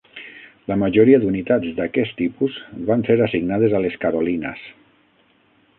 La majoria d'unitats d'aquest tipus van ser assignades a les Carolinas.